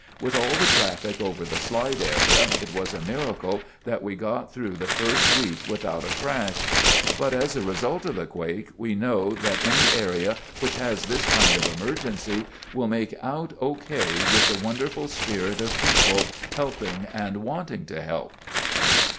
With all the traffic over the slide area, it was a miracle that we got through that first week without a crash. [Illustration: Fallen trees.] "But as a result of the quake we know that any area which has this kind of emergency will make out OK with the wonderful spirit of people, helping and wanting to help."